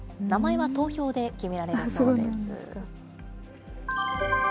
名前は投票で決められるそうです。